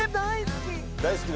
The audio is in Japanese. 大好き！